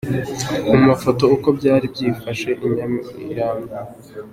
Mu mafoto, uko byari byifashe i Nyamirambo.